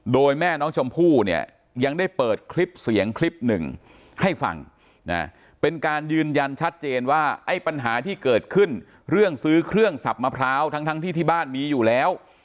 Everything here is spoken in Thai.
โดยแม่น้องชมพู่เนี่ยยังได้เปิดคลิปเสียงคลิปหนึ่งให้ฟังนะเป็นการยืนยันชัดเจนว่าไอ้ปัญหาที่เกิดขึ้นเรื่องซื้อเครื่องสับมะพร้าวทั้งที่ที่บ้านมีอยู่แล้ว